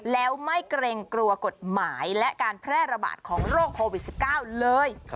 แล้วไม่เกรงกลัวกฎหมายและการแพร่ระบาดของโรคโควิด๑๙เลย